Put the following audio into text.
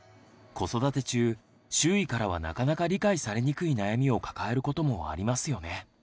子育て中周囲からはなかなか理解されにくい悩みを抱えることもありますよね。